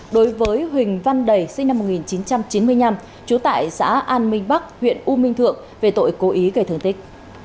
đối với huỳnh văn đầy sinh năm một nghìn chín trăm chín mươi năm trú tại xã an minh bắc huyện u minh thượng về tội cố ý gây thương tích